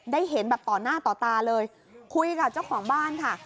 เห็นแบบต่อหน้าต่อตาเลยคุยกับเจ้าของบ้านค่ะ